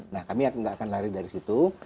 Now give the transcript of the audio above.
nah kami tidak akan lari dari situ